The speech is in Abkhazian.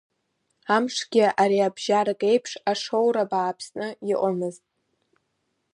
Амшгьы ари абжьарак еиԥш, ашоура бааԥсны иҟамызт.